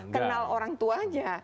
kenal orang tuanya